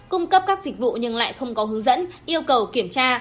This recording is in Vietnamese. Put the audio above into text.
cung cấp các dịch vụ nhưng lại không có hướng dẫn yêu cầu kiểm tra